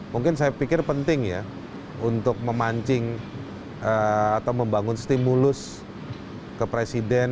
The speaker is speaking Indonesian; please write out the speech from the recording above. mungkin saya pikir penting ya untuk memancing atau membangun stimulus ke presiden